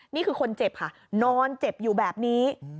นี่คือคนเจ็บค่ะนอนเจ็บอยู่แบบนี้